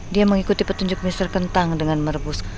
dia mengikuti petunjuk mister kentang dengan merebus